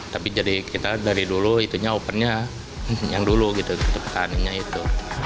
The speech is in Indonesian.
tapi jadi kita dari dulu itunya ovennya yang dulu gitu tepung kaninya itu